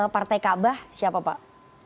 partai kabah siapa pak